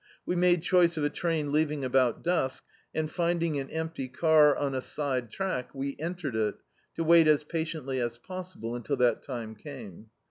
We made choice of a tr^ leaving about dusk, and find ing an empty car on a side track, we entered it, to wait as patiently as possible imtil that ttmc came.